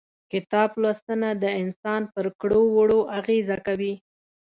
کتاب لوستنه د انسان پر کړو وړو اغيزه کوي.